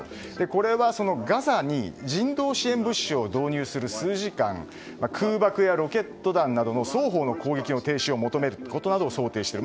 これはガザに人道支援物資を導入する数時間空爆やロケット弾などの双方の攻撃の停止を求めることなどを想定している。